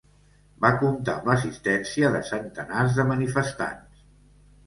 Va comptar amb l'assistència de centenars de manifestants.